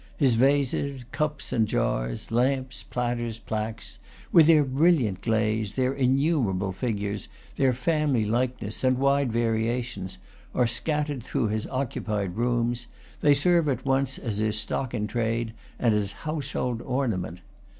His vases, cups and jars, lamps, platters, plaques, with their brilliant glaze, their innumerable figures, their family likeness, and wide variations, are scattered, through his occupied rooms; they serve at once as his stock in trade and as house hold ornament.